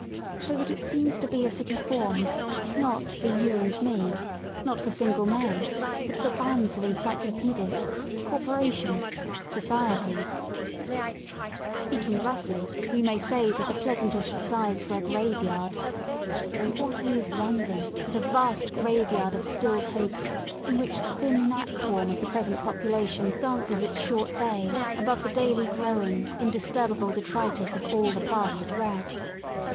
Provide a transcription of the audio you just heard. So that it seems to be a City formed, not for you and me, not for single j men, but for bands of Encyclopaedists, Corporations,' Societies* Speaking roughly, we may say that the pleasantest size for a graveyard — and what is London but a vast graveyard of stilled hopes in which the thin gnat swarm of the present population dances its short day above the daily growing, indisturbable detritus of all the past at rest?